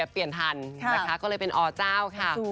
เปลี่ยนทันนะคะก็เลยเป็นอเจ้าค่ะ